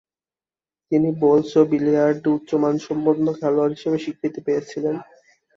তিনি বোলস ও বিলিয়ার্ডে উচ্চ মানসম্পন্ন খেলোয়াড় হিসেবে স্বীকৃতি পেয়েছিলেন।